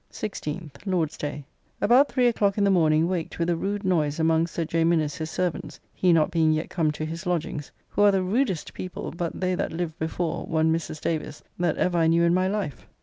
16th (Lord's day). About 3 o'clock in the morning waked with a rude noise among Sir J. Minnes his servants (he not being yet come to his lodgings), who are the rudest people but they that lived before, one Mrs. Davis, that ever I knew in my life.